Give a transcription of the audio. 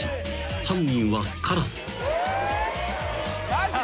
犯人はカラス］えっ！？